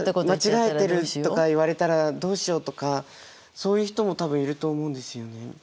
間違えてるとか言われたらどうしようとかそういう人も多分いると思うんですよね。